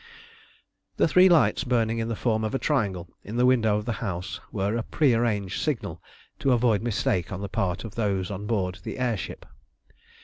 The three lights burning in the form of a triangle in the window of the house were a prearranged signal to avoid mistake on the part of those on board the air ship.